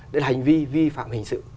để hành vi vi phạm hình sự